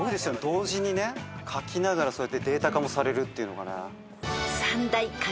同時にね書きながらそうやってデータ化もされるっていうのがね。